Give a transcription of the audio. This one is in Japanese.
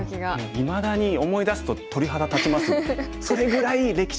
いまだに思い出すと鳥肌立ちますもん。